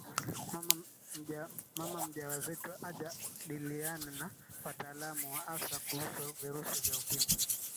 mama mjawazito ajadiliane na wataalamu wa afya kuhusu virusi vya ukimwi